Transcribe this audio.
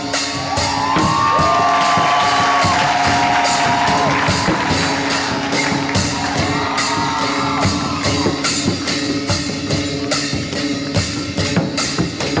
สวัสดีสวัสดี